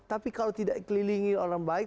tapi kalau tidak kelilingi orang baik